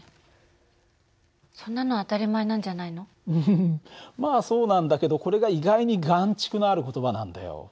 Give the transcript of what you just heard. うんまあそうなんだけどこれが意外に含蓄のある言葉なんだよ。